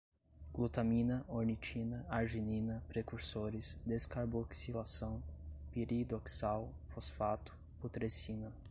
glutamina, ornitina, arginina, precursores, descarboxilação, piridoxal fosfato, putrescina